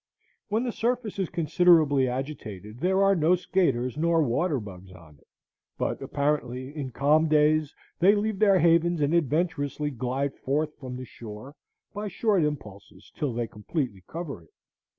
When the surface is considerably agitated there are no skaters nor water bugs on it, but apparently, in calm days, they leave their havens and adventurously glide forth from the shore by short impulses till they completely cover it.